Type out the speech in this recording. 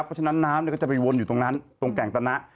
เพราะฉะนั้นน้ำก็จะไปวนอยู่ตรงนั้นตรงแก่งตนะ